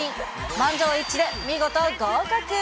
満場一致で見事合格。